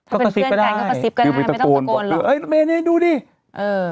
ก็กระซิบก็ได้ไม่ต้องตะโกนหรอกเอ้ยเนี่ยดูดิเออ